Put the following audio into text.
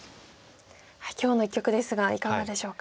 今日の一局ですがいかがでしょうか？